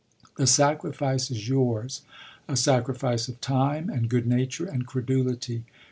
"The sacrifice is yours a sacrifice of time and good nature and credulity.